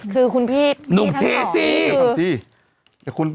คือคุณพี่ทั้งสองนะครับค่ะคุณพี่หนุ่มเทสสี